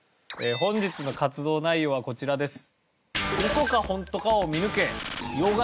本日の活動内容はこちらです。